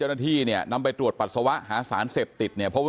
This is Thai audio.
หาสารเสพติดเนี่ยพบว่ามันสารเสพติดด้วยนี่เธอบอกยังเจ็บซิกโครงอยู่เลย